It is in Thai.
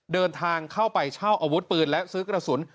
เดินทางเข้าไปเช่าอาวุธปืนและซื้อกระสุน